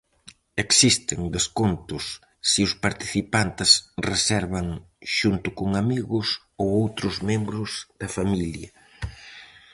Existen descontos se os participantes reservan xunto con amigos ou outros membros da familia.